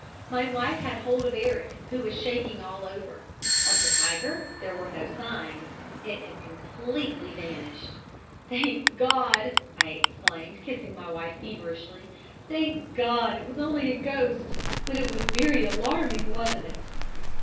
My wife had hold of Eric, who was shaking all over. Of the tiger there were no signs. It had completely vanished. "'Thank God,' I exclaimed, kissing my wife feverishly. 'Thank God! It was only a ghost! but it was very alarming, wasn't it?'